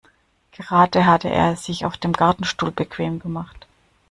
Gerade hatte er es sich auf dem Gartenstuhl bequem gemacht.